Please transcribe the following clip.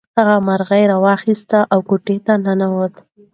هغه مرغۍ راواخیسته او کوټې ته ننووت.